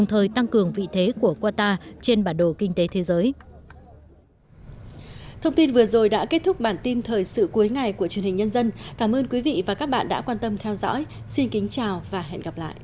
hãy đăng ký kênh để ủng hộ kênh mình nhé